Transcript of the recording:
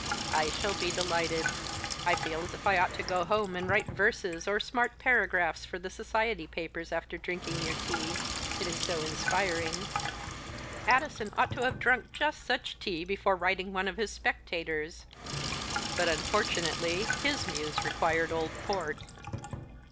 "I shall be delighted. I feel as if I ought to go home and write verses or smart paragraphs for the society papers after drinking your tea, it is so inspiring. Addison ought to have drunk just such tea before writing one of his Spectators, but unfortunately his muse required old port."